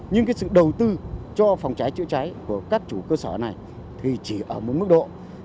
nhưng cái sự đầu tư cho phòng cháy chữa cháy của các chủ cơ sở này thì chỉ ở một mức độ